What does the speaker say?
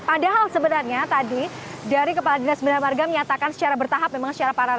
padahal sebenarnya tadi dari kepala dinas bina marga menyatakan secara bertahap memang secara paralel